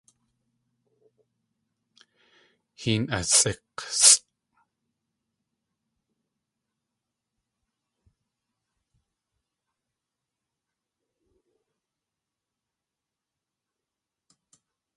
Héen asʼík̲sʼ.